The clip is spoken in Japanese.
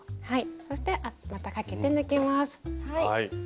そしてまたかけて抜きます。